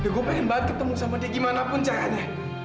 dia gue pengen banget ketemu sama dia gimana pun caranya